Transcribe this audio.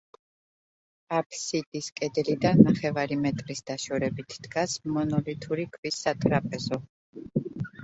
აფსიდის კედლიდან ნახევარი მეტრის დაშორებით დგას მონოლითური ქვის სატრაპეზო.